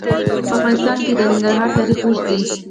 په افغانستان کې د ننګرهار تاریخ اوږد دی.